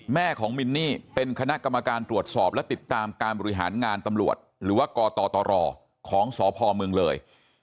แม่ของมินนี่เป็นคณะกรรมการตรวจสอบและติดตามการบริหารงานตำรวจหรือว่ากตรของสพเมืองเลย